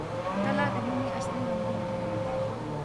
تله د مني اصلي رنګونه لري.